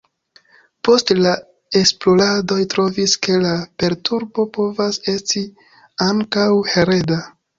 Poste la esploradoj trovis, ke la perturbo povas esti ankaŭ hereda.